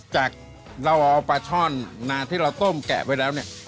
จากเราเอาปลาช่อนนาที่เราต้มแกะไว้แล้วเนี่ย